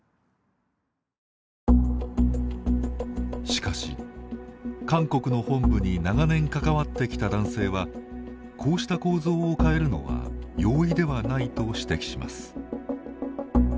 しかし、韓国の本部に長年、関わってきた男性はこうした構造を変えるのは容易ではないと指摘します。